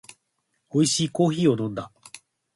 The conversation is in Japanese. おいしいコーヒーを飲んだ